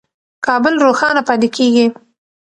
کابل روښانه پاتې کېږي.